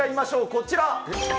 こちら。